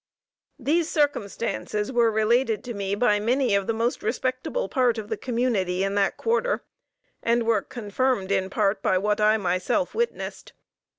These circumstances were related to me by many of the most respectable part of the community in that quarter, and were confirmed, in part, by what I myself witnessed.